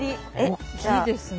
大きいですね。